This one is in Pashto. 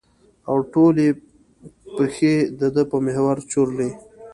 او ټولې پېښې د ده په محور چورلي.